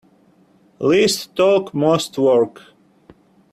Least talk most work.